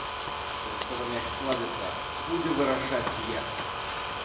Але што там як складзецца, будзе вырашаць з'езд.